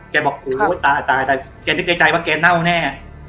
บอกโอ้ยตายแกนึกในใจว่าแกเน่าแน่